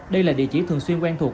đây là địa chỉ thường xuyên quen thuộc